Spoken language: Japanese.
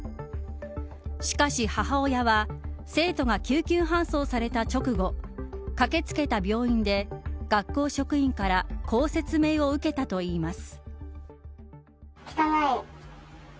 しかし、母親は生徒が救急搬送された直後駆け付けた病院で学校職員からこう説明を受けたといいます。